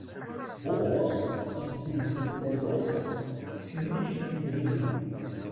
Buxus yezzenzen tarwa-s s tkemmic n yidrimen.